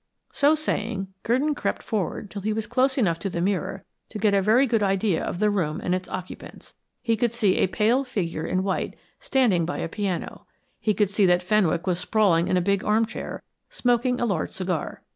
So saying, Gurdon crept forward till he was close enough to the mirror to get a very good idea of the room and its occupants. He could see a pale figure in white standing by a piano; he could see that Fenwick was sprawling in a big armchair, smoking a large cigar.